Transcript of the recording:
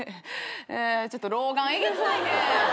ちょっと老眼えげつないね。